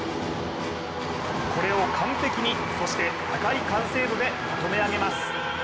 これを完璧にそして高い完成度でまとめあげます。